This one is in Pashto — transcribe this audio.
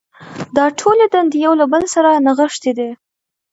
دا ټولې دندې یو له بل سره نغښتې دي.